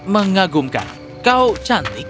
mengagumkan kau cantik